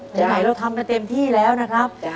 ไหนเราทำกันเต็มที่แล้วนะครับ